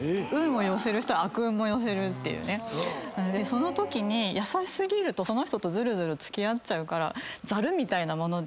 そのときに優し過ぎるとその人とずるずる付き合っちゃうからザルみたいなもので運が。